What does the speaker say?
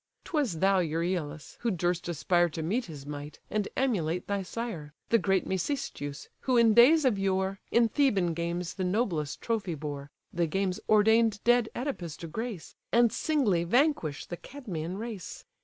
'Twas thou, Euryalus! who durst aspire To meet his might, and emulate thy sire, The great Mecistheus; who in days of yore In Theban games the noblest trophy bore, (The games ordain'd dead OEdipus to grace,) And singly vanquish the Cadmean race.